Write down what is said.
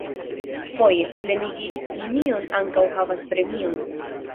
Foje, plenigi linion ankaŭ havas premion.